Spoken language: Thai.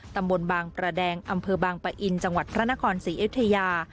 ตำบลบางประแดงอำเภอบางปะอินจังหวัดพระนครศรีอยุธยา